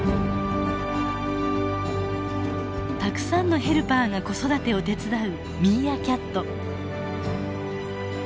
たくさんのヘルパーが子育てを手伝うミーアキャット。